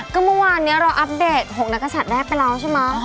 ก็เมื่อวานนี้เราอัปเดต๖นักศัตริย์แรกไปแล้วใช่ไหม